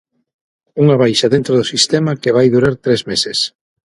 Unha baixa dentro do sistema que vai durar tres meses.